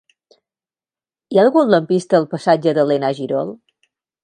Hi ha algun lampista al passatge d'Elena Girol?